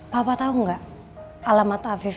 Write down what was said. papa tahu gak alamat afif